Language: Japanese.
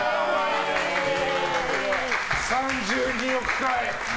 ３２億回！